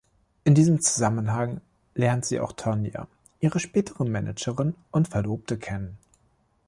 In diesem Zusammenhang lernt sie auch Tonya, ihre spätere Managerin und Verlobte kennen.